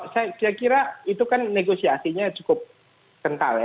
saya kira itu kan negosiasinya cukup kental ya